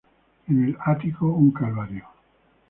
En el ático, un Calvario.